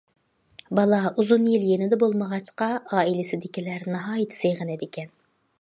بالا ئۇزۇن يىل يېنىدا بولمىغاچقا ئائىلىسىدىكىلەر ناھايىتى سېغىنىدىكەن.